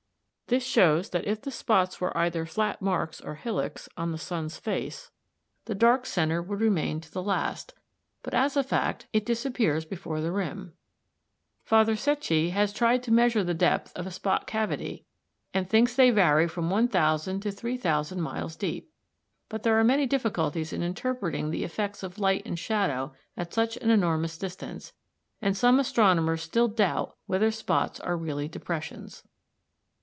This shows that if the spots were either flat marks, or hillocks, on the sun's face, the dark centre would remain to the last, but as a fact it disappears before the rim. Father Secchi has tried to measure the depth of a spot cavity, and thinks they vary from 1000 to 3000 miles deep. But there are many difficulties in interpreting the effects of light and shadow at such an enormous distance, and some astronomers still doubt whether spots are really depressions.